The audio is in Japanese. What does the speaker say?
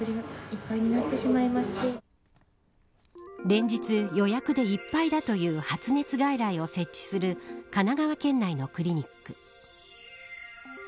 連日予約でいっぱいだという発熱外来を設置する神奈川県内のクリニック。